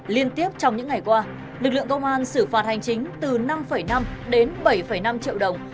liên tiếp trong những ngày qua lực lượng công an xử phạt hành chính từ năm năm đến bảy năm triệu đồng